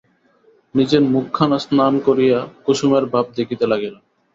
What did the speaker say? নিজের মুখখানা স্নান করিয়া কুসুমের ভাব দেখিতে লাগিল।